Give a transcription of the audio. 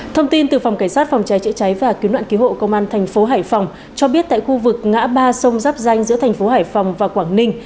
thông tin từ phòng cảnh sát phòng cháy chữa cháy và cứu nạn cứu hộ công an thành phố hải phòng cho biết tại khu vực ngã ba sông giáp danh giữa thành phố hải phòng và quảng ninh